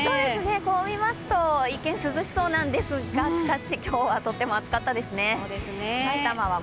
こう見ますと、一見、涼しそうなんですがしかし今日はとっても暑かったですね。